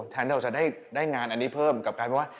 แทนจะได้งานอันนี้เพิ่มกลายเป็นว่า